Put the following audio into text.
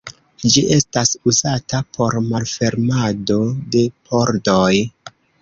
Ĝi estis uzata por malfermado de pordoj.